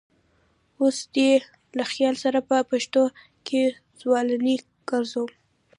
اوس دې له خیال سره په پښو کې زولنې ګرځوم